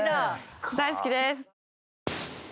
大好きです。